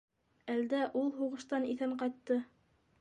Әлдә ул һуғыштан иҫән ҡайтты.